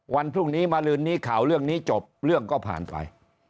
วันพรุ่งนี้มาลืนนี้ข่าวเรื่องนี้จบเรื่องก็ผ่านไป